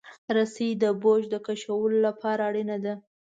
رسۍ د بوج د کشولو لپاره اړینه ده.